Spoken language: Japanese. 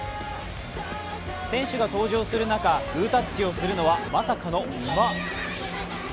選手が登場する中、グータッチをするのはまさかの馬！？